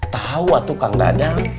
tahu atuk kang dadang